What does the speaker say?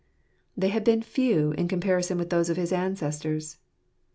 They had been Jew in comparison with those of his ancestors.